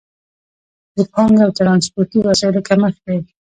د پانګې او ترانسپورتي وسایلو کمښت دی.